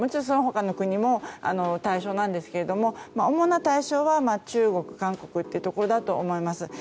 その他の国も対象なんですけれども主な対象は中国、韓国というところだと思います。